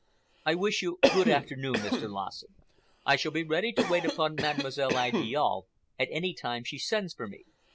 I wish you good afternoon, Mr. Lassen! I shall be ready to wait upon Mademoiselle Idiale at any time she sends for me.